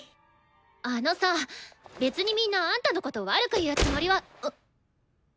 あのさ別にみんなあんたのこと悪く言うつもりは。